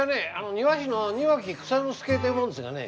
庭師の庭木草乃助ってもんですがね